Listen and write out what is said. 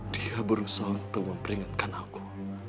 dia berusaha untuk memperingatkan aku